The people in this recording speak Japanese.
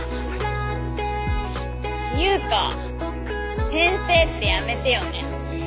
ていうか先生ってやめてよね。